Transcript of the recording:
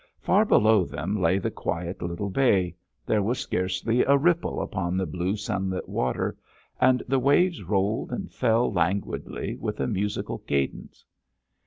Far below them lay the quiet little bay—there was scarcely a ripple upon the blue sunlit water, and the waves rolled and fell languidly with a musical cadence.